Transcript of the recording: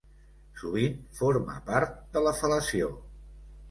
Sovint forma part de la fel·lació.